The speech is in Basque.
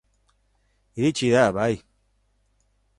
Iritsi da, bai.